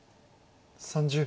３０秒。